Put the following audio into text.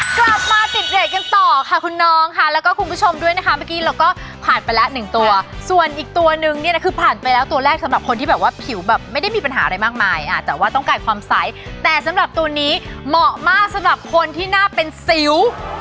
กลับมาติดเบรกกันต่อค่ะคุณน้องค่ะแล้วก็คุณผู้ชมด้วยนะคะเมื่อกี้เราก็ผ่านไปแล้วหนึ่งตัวส่วนอีกตัวนึงเนี่ยนะคือผ่านไปแล้วตัวแรกสำหรับคนที่แบบว่าผิวแบบไม่ได้มีปัญหาอะไรมากมายแต่ว่าต้องการความใสแต่สำหรับตัวนี้เหมาะมากสำหรับคนที่น่าเป็นซิว